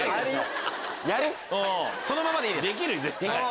そのままでいいです。